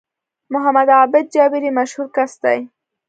محمد عابد جابري مشهور کس دی